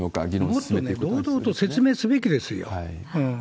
もっと堂々と説明すべきですよ。